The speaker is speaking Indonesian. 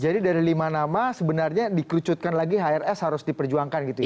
jadi dari lima nama sebenarnya dikrucutkan lagi hrs harus diperjuangkan gitu ya